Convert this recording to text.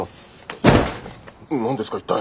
何ですか一体。